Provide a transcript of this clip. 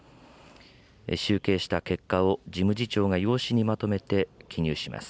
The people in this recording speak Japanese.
集計した結果を事務次長が用紙にまとめて記入します。